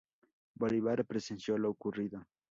Bolívar presenció lo ocurrido.